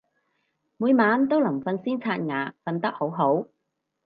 每晚都臨瞓先刷牙，瞓得好好